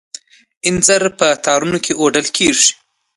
انځر په تارونو کې اوډل کیږي.